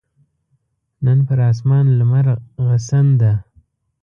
نن پر اسمان لمرغسن ده